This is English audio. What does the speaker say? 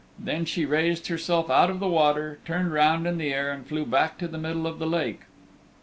Then she raised herself out of the water, turned round in the air, and flew back to the middle of the lake.